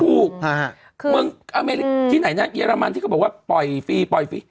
ถูกฮะฮะคืออเมริกที่ไหนนะเยอรมันที่เขาบอกว่าปล่อยฟรีปล่อยฟรี